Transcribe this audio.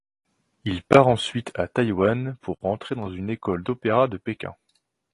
Il part ensuite à Taïwan pour entrer dans une école d'opéra de Pékin.